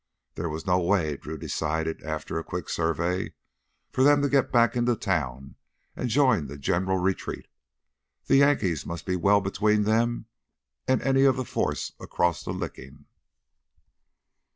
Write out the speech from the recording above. There was no way, Drew decided after a quick survey, for them to get back into town and join the general retreat. The Yankees must be well between them and any of the force across the Licking.